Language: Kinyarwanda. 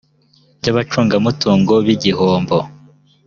by abacungamutungo b igihombo